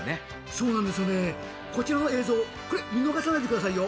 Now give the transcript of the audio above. そうなんですよね、こちらの映像これ見逃さないでくださいよ。